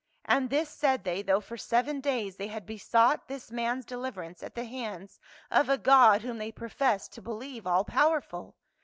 And this said they, though for seven days they had besought this man's deliverance at the hands of a God whom they professed to believe all powerful.